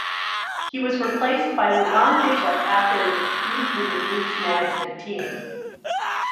He was replaced by LeDon Bishop after a dispute with the group's management team.